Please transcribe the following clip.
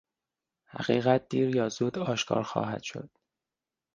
حقیقت دیر یا زود آشکار خواهد شد.